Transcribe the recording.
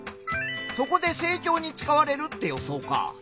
そこで成長に使われるって予想か。